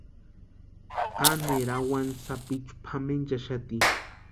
Aneri awani sapichu pʼamenchaxati.